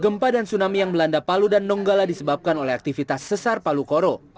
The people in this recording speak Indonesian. gempa dan tsunami yang melanda palu dan donggala disebabkan oleh aktivitas sesar palu koro